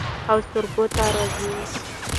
او سروکو ته راځو